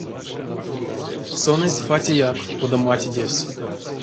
Сон эзь фатяяк, кода матедевсь.